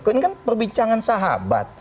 ini kan perbincangan sahabat